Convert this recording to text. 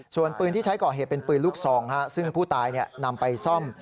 ส่วนปืนที่ใช้ก่อเหตุเป็นปืนลูกซองซึ่งผู้ตายนำไปซ่อม